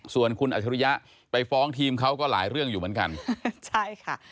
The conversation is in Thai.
ส่วนคุณอัจฉริยะไปฟ้องทีมเขาก็หลายเรื่องอยู่เหมือนกันใช่ค่ะ